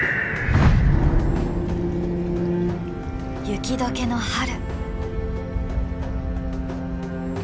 雪解けの春。